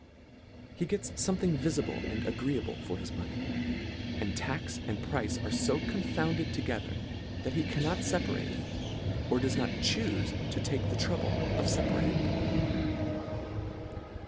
He gets fome thing vifible and agreeable for his money, and tax and price are fo confounded toge ther, that he cannot feparate, or does not chufe to take the trouble of feparating them.